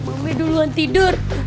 mami duluan tidur